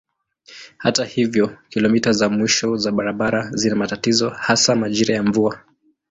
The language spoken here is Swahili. Hata hivyo kilomita za mwisho za barabara zina matatizo hasa majira ya mvua.